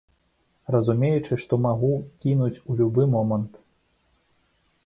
Разумеючы, што магу кінуць у любы момант.